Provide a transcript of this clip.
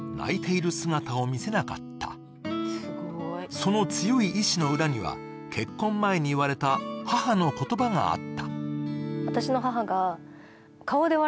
その強い意志の裏には結婚前に言われた母の言葉があった。